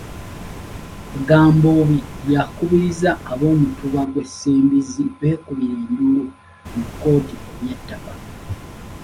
Gambobbi yakubirizza ab'omutuba gwa Ssembizzi beekubire enduulu mu kkooti ku by'ettaka.